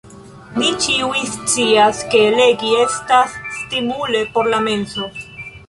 Ni ĉiuj scias, ke legi estas stimule por la menso.